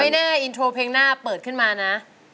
แน่อินโทรเพลงหน้าเปิดขึ้นมานะ